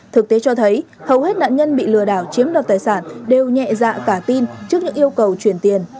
thực tế cho thấy hầu hết nạn nhân bị lừa đảo chiếm đoạt tài sản đều nhẹ dạ cả tin trước những yêu cầu chuyển tiền